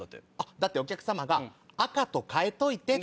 だってお客様が「赤と変えといて」って。